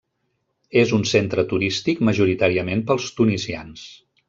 És un centre turístic majoritàriament pels tunisians.